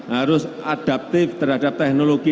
harus adaptif terhadap teknologi